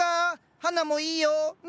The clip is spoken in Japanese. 実もいいよ。